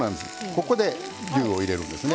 ここで牛を入れるんですね。